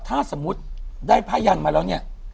ถ้าสมมุติได้ผ้ายันมาแล้วเนี่ย